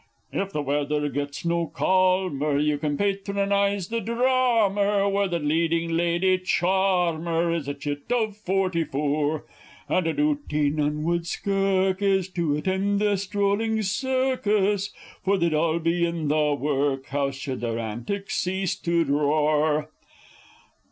_ If the weather gets no calmer, you can patronise the dramer, Where the leading lady charmer is a chit of forty four; And a duty none would skirk is to attend the strolling circus, For they'd all be in the workhouse, should their antics cease to dror!